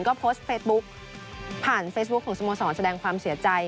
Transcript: ก็โพสต์เฟซบุ๊กผ่านเฟซบุ๊คของสโมสรแสดงความเสียใจ